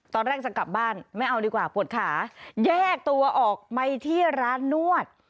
ตอนแรกจะกลับบ้านไม่เอาดีกว่าปวดขาแยกตัวออกไปที่ร้านนวด